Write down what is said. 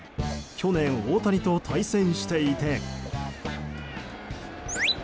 去年、大谷と対戦していて。